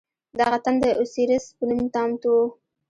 دغه تن د اوسیریس په نوم نامتوو.